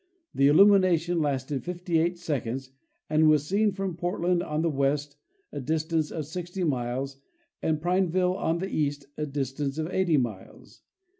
The illumination lasted 58 seconds and was seen from Portland on the west, a distance of 60 miles, and Prineville on the east, a distance of 80 miles.